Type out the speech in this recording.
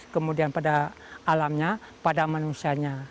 kemudian pada alamnya pada manusianya